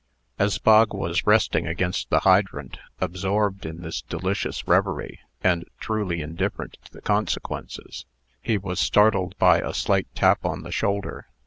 As Bog was resting against the hydrant, absorbed in this delicious revery, and totally indifferent to the consequences, he was startled by a slight tap on the shoulder.